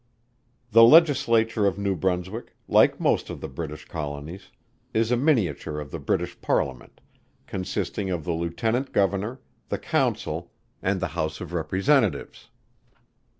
The Legislature of New Brunswick, like most of the British Colonies, is a miniature of the British Parliament, consisting of the Lieutenant Governor, the Council, and House of Representatives.